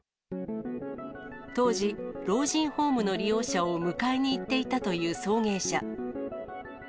当時、老人ホームの利用者を迎えに行っていたという送迎車。